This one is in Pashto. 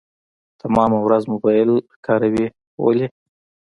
تمامه ورځ موبايل کاروي ولي .